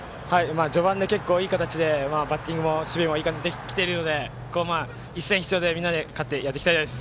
序盤で結構、いい形でバッティングも守備もいい形で、できているので一戦必勝で勝ってやっていきたいです。